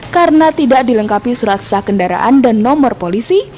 karena tidak dilengkapi surat sah kendaraan dan nomor polisi